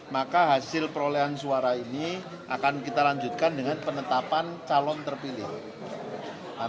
maka hasil perolehan suara ini akan kita lanjutkan dengan penetapan calon terpilih